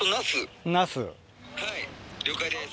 はい了解です。